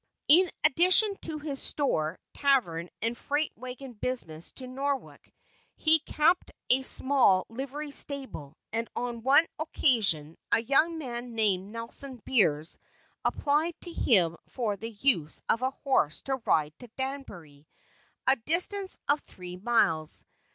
In addition to his store, tavern, and freight wagon business to Norwalk, he kept a small livery stable; and on one occasion, a young man named Nelson Beers applied to him for the use of a horse to ride to Danbury, a distance of three miles.